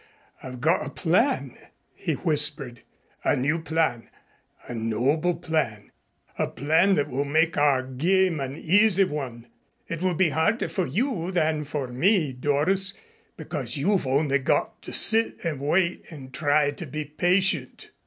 I've got a plan," he whispered, "a new plan, a noble plan, a plan that will make our game an easy one. It will be harder for you than for me, Doris, because you've only got to sit and wait and try to be patient."